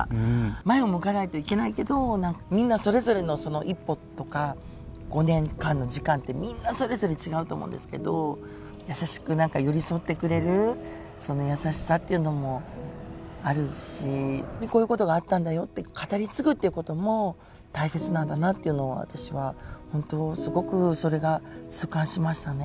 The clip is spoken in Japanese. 前を向かないといけないけどみんなそれぞれの一歩とか５年間の時間ってみんなそれぞれ違うと思うんですけど優しく寄り添ってくれるその優しさっていうのもあるしこういうことがあったんだよって語り継ぐっていうことも大切なんだなっていうのは私は本当すごくそれが痛感しましたね。